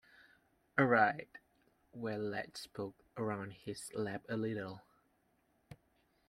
Right, well let's poke around his lab a little.